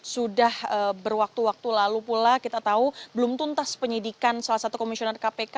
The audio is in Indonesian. sudah berwaktu waktu lalu pula kita tahu belum tuntas penyidikan salah satu komisioner kpk